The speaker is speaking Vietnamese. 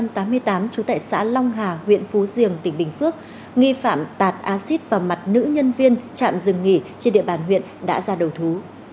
trú tại xã long hà huyện phú riềng tỉnh bình phước nghi phạm tạt acid vào mặt nữ nhân viên trạm rừng nghỉ trên địa bàn huyện đã ra đầu thú